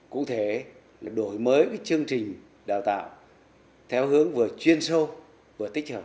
cụ thể là đổi mới chương trình đào tạo theo hướng vừa chuyên sâu vừa tích hợp